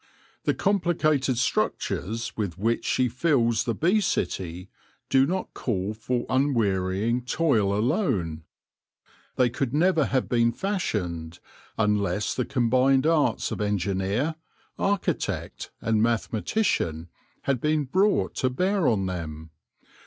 The complicated structures with which she fills the bee city do not call for unwearying toil alone : they could never have been fashioned unless the combined arts of engineer, architect, and mathe matician had been brought to bear on them.